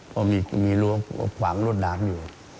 เพราะมีรัวผังรี่ร้มดำอยู่